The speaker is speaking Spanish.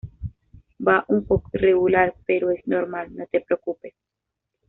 va un poco irregular, pero es normal. no te preocupes.